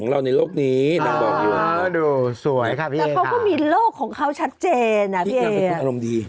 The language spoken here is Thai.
แล้วเค้าก็มีโลกของเค้าชัดเจนอ่ะพี่เอ๋